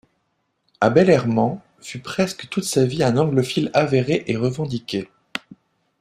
Abel Hermant fut presque toute sa vie un anglophile avéré et revendiqué.